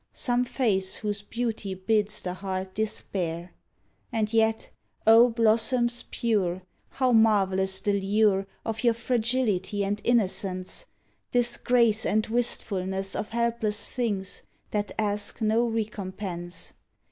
Some face whose beauty bids the heart despair! And yet, O blossoms pure! 38 'THE HOUSE OF ORCHIDS How marvelous the lure Of your fragility and innocence — This grace and wistfulness of helpless things That ask no recompense!